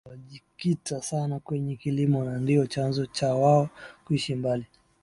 Pia Waha Inasemekana walijikita sana kwenye Kilimo na ndio chanzo cha wao kuishi mbali